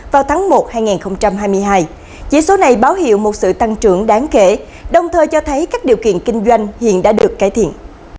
vào tháng một hai nghìn hai mươi hai chỉ số này báo hiệu một sự tăng trưởng đáng kể đồng thời cho thấy các điều kiện kinh doanh hiện đã được cải thiện